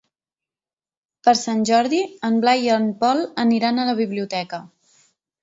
Per Sant Jordi en Blai i en Pol aniran a la biblioteca.